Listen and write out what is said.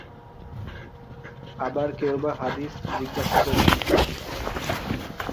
আবার কেউ বা হাদিস জিজ্ঞাসা করছিল।